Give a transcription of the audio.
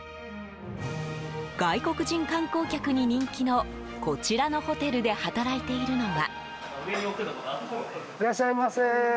外国人観光客に人気のこちらのホテルで働いているのは。